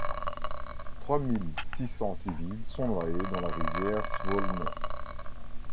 Trois mille six cents civils sont noyés dans la rivière Svolno.